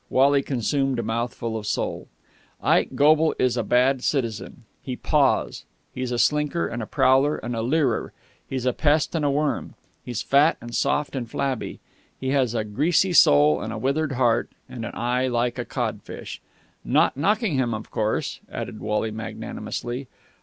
Wally consumed a mouthful of sole. "Ike Goble is a bad citizen. He paws! He's a slinker and a prowler and a leerer. He's a pest and a worm! He's fat and soft and flabby. He has a greasy soul, a withered heart, and an eye like a codfish. Not knocking him, of course!" added Wally magnanimously.